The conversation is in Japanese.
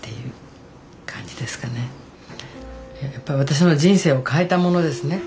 やっぱり私の人生を変えたものですね